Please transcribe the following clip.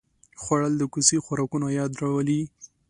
خوړل د کوڅې خوراکونو یاد راولي